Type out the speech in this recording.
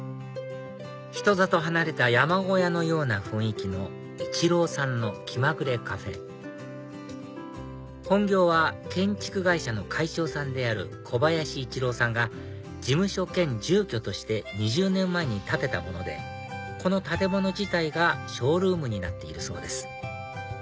人里離れた山小屋のような雰囲気のイチローさんのきまぐれカフェ本業は建築会社の会長さんである小林一郎さんが事務所兼住居として２０年前に建てたものでこの建物自体がショールームになっているそうです